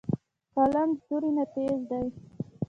قلم د تورې نه تېز دی